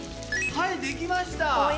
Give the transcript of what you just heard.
はいできました。